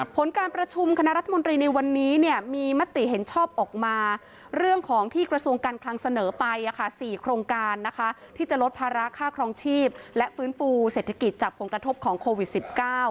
ผลการประชุมคณะรัฐมนตรีในวันนี้มีมติเห็นชอบออกมาเรื่องของที่กระทรวงการคลังเสนอไป๔โครงการนะคะที่จะลดภาระค่าครองชีพและฟื้นฟูเศรษฐกิจจากผลกระทบของโควิด๑๙